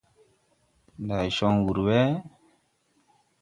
Ndɛ cɔŋ wur wɛ ?